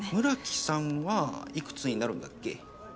村木さんはいくつになるんだっけ？